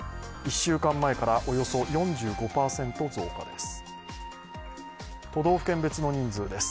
１週間前からおよそ４５％増加です。